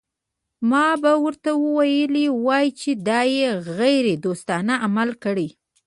ما به ورته ویلي وای چې دا یې غیر دوستانه عمل کړی.